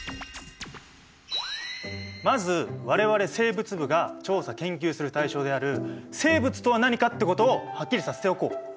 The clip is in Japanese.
まず我々生物部が調査・研究する対象である生物とは何かってことをはっきりさせておこう。